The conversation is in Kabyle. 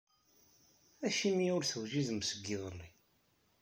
Acimi ur tewjidem seg yiḍelli.